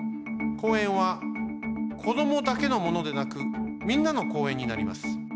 公園はこどもだけのものでなくみんなの公園になります。